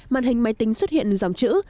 màn hình máy tính xuất hiện dòng chữ